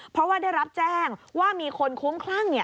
เพราะว่าได้รับแจ้งว่ามีคนคุ้มคลั่ง